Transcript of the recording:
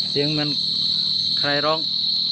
เสียงมันใครร้อง